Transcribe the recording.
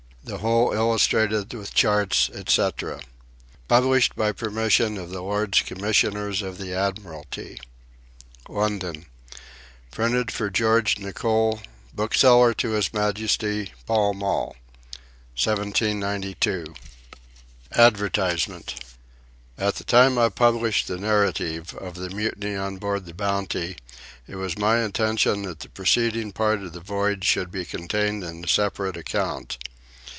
THE WHOLE ILLUSTRATED WITH CHARTS, ETC. ... PUBLISHED BY PERMISSION OF THE LORDS COMMISSIONERS OF THE ADMIRALTY. ... LONDON: PRINTED FOR GEORGE NICOL, BOOKSELLER TO HIS MAJESTY, PALL MALL. 1792. ... ADVERTISEMENT. At the time I published the Narrative of the Mutiny on Board the Bounty it was my intention that the preceding part of the Voyage should be contained in a separate account.